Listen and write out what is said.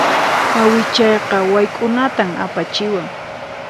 Awichayqa wayk'unatan apachiwan.